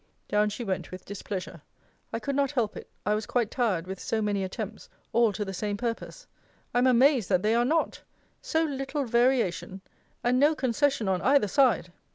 Down she went with displeasure. I could not help it. I was quite tired with so many attempts, all to the same purpose. I am amazed that they are not! So little variation! and no concession on either side!